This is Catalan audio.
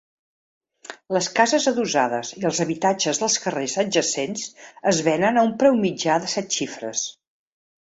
Les cases adossades i els habitatges dels carrers adjacents es venen a un preu mitjà de set xifres.